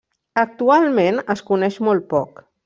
Actualment, es coneix molt poc.